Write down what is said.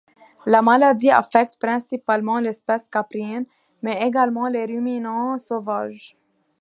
La maladie affecte principalement l'espèce caprine, mais également les ruminants sauvages.